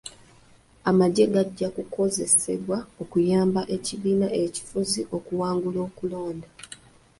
Amagye gajja kukozesebwa okuyamba ekibiina ekifuzi okuwangula okulonda.